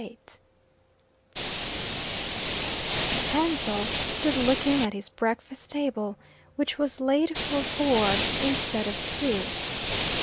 VIII Ansell stood looking at his breakfast table, which was laid for four instead of two.